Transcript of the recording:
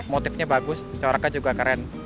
motifnya bagus coraknya juga keren